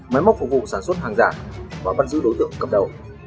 máy móc phục vụ sản xuất hàng giả và bắt giữ đối tượng cầm đầu